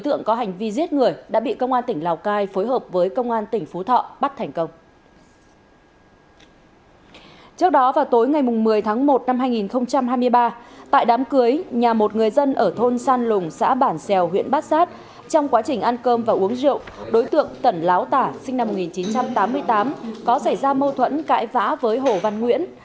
trước đó vào tối ngày một mươi tháng một năm hai nghìn hai mươi ba tại đám cưới nhà một người dân ở thôn san lùng xã bản xèo huyện bát sát trong quá trình ăn cơm và uống rượu đối tượng tận láo tả sinh năm một nghìn chín trăm tám mươi tám có xảy ra mâu thuẫn cãi vã với hồ văn nguyễn